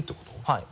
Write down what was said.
はい。